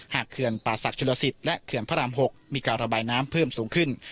เขื่อนป่าศักดิชลสิตและเขื่อนพระราม๖มีการระบายน้ำเพิ่มสูงขึ้น